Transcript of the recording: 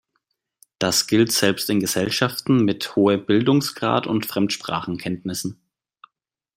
Das gilt selbst in Gesellschaften mit hohem Bildungsgrad und Fremdsprachenkenntnissen.